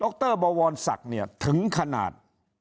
รบวรศักดิ์เนี่ยถึงขนาด